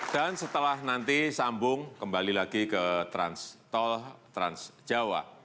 dan setelah nanti sambung kembali lagi ke tol trans jawa